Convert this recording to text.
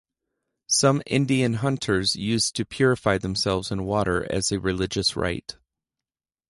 Some Indian hunters used to purify themselves in water as a religious rite.